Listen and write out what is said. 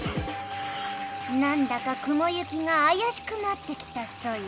なんだか雲行きがあやしくなってきたソヨ。